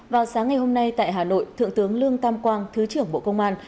vào sáng ngày hôm nay tại hà nội thượng tướng lương tam quang thứ trưởng bộ công an